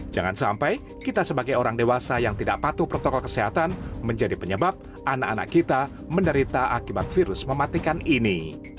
jangan sampai kita sebagai orang dewasa yang tidak patuh protokol kesehatan menjadi penyebab anak anak kita menderita akibat virus mematikan ini